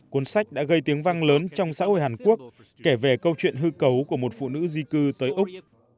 cuốn sách đã gây tiếng vang lớn trong xã hội hàn quốc kể về câu chuyện hư cấu của một phụ nữ di cư tới úc